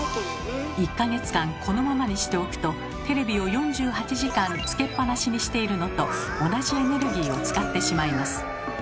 １か月間このままにしておくとテレビを４８時間つけっぱなしにしているのと同じエネルギーを使ってしまいます。